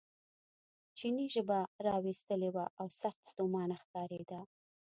چیني ژبه را ویستلې وه او سخت ستومانه ښکارېده.